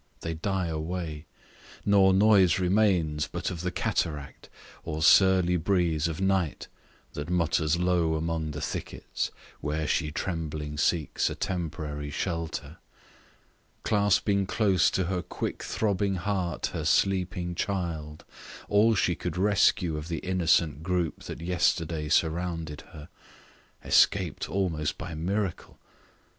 they die away Nor noise remains, but of the cataract, Or surly breeze of night, that mutters low Among the thickets, where she trembling seeks A temporary shelter Clasping close To her quick throbbing heart her sleeping child, All she could rescue of the innocent group That yesterday surrounded her Escaped Almost by miracle!